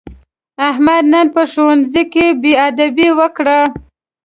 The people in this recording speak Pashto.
احمد نن په ښوونځي کې بېادبي وکړه.